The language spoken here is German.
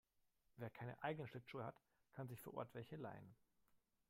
Wer keine eigenen Schlittschuhe hat, kann sich vor Ort welche leihen.